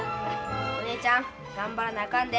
お姉ちゃん頑張らなあかんで。